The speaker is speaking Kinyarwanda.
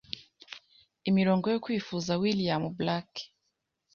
Imirongo yo KwifuzaWilliam Blake